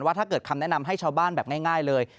ถ้าเกิดคำแนะนำให้ชาวบ้านแบบง่ายเลย